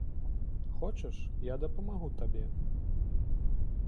Хочаш, я дапамагу табе?